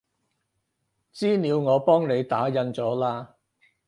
資料我幫你打印咗喇